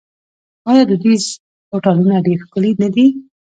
آیا دودیز هوټلونه ډیر ښکلي نه دي؟